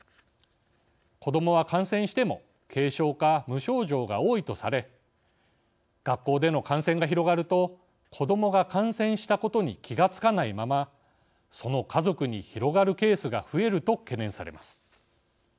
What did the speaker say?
子どもは、感染しても軽症か無症状が多いとされ学校での感染が広がると子どもが感染したことに気がつかないままその家族に広がるケースが増えると懸念されます。